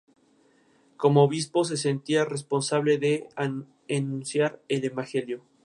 Como obispo se sentía responsable de anunciar el Evangelio.